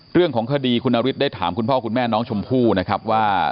เรื่องของคดีคุณนฤทธิได้ถามคุณพ่อคุณแม่น้องชมพู่นะครับว่า